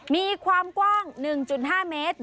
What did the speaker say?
มีความกว้าง๑๕เมตร